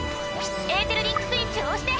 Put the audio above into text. エーテルリンクスイッチを押して！